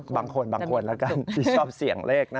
เป็นวันโชคดี